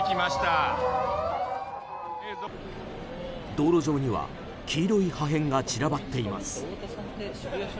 道路上には、黄色い破片が散らばっています。